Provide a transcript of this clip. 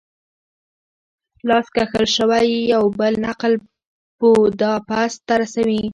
لاس کښل شوی یو بل نقل بوداپست ته رسوي.